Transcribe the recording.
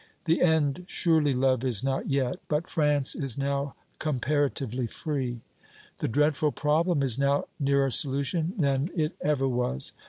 The end surely, love, is not yet. But France is now comparatively free. The dreadful problem is now nearer solution than it ever was.